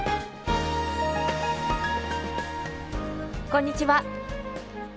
こんにちは。